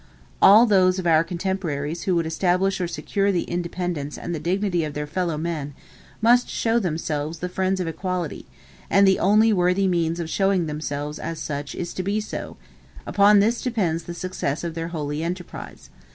All those of our contemporaries who would establish or secure the independence and the dignity of their fellow men, must show themselves the friends of equality; and the only worthy means of showing themselves as such, is to be so: upon this depends the success of their holy enterprise.